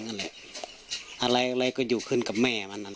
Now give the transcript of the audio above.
ถามตัวของแม่เขาเองอะไรก็อยู่ขึ้นกับแม่มันนั้น